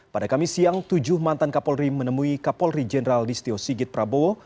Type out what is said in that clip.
pada kamis siang tujuh mantan kapolri menemui kapolri jenderal listio sigit prabowo